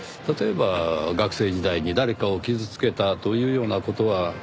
例えば学生時代に誰かを傷つけたというような事は？